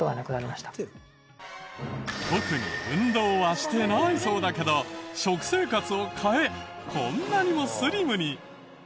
特に運動はしてないそうだけど食生活を変えこんなにもスリムに。